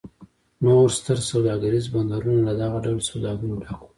نور ستر سوداګریز بندرونه له دغه ډول سوداګرو ډک و.